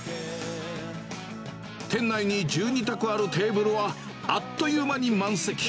店内に１２卓あるテーブルは、あっという間に満席。